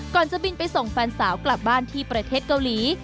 ก่อนจะบินไปส่งแฟนสาวกลับบ้านที่ประเทศเกาหลี